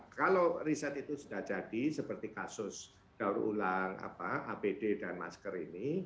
kalau riset itu sudah jadi seperti kasus daur ulang apd dan masker ini